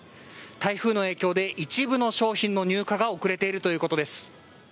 台風の影響で一部の商品の入荷が遅れているということです。